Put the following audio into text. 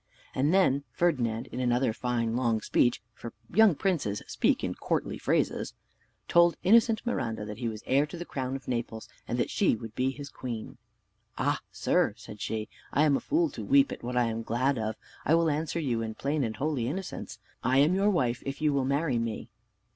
And then Ferdinand, in another fine long speech (for young princes speak in courtly phrases), told the innocent Miranda he was heir to the crown of Naples, and that she should be his queen. "Ah! sir," said she, "I am a fool to weep at what I am glad of. I will answer you in plain and holy innocence. I am your wife if you will marry me."